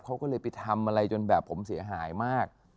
เขาก็เลยไปทำอะไรจนแบบผมเสียหายมาก